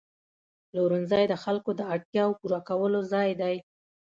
پلورنځی د خلکو د اړتیاوو پوره کولو ځای دی.